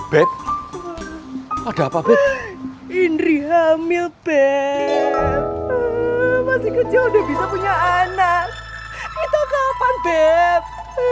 beb ada apa beb indri hamil beb masih kecil udah bisa punya anak itu kapan beb